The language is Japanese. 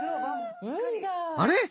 あれ？